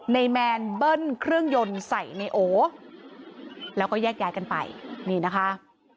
แมนเบิ้ลเครื่องยนต์ใส่ในโอแล้วก็แยกย้ายกันไปนี่นะคะ